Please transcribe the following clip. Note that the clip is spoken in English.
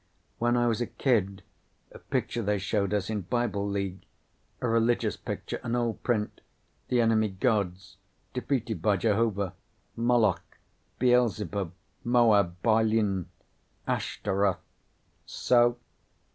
"When I was a kid.... A picture they showed us in Bible League. A religious picture an old print. The enemy gods, defeated by Jehovah. Moloch, Beelzebub, Moab, Baalin, Ashtaroth " "So?"